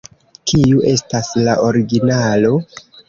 Kiu estas la originalo?